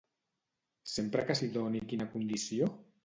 Sempre que s'hi doni quina condició?